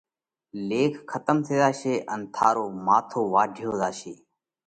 ليک کتم ٿي زاشي ان ٿارو ماٿو واڍيو زاشي۔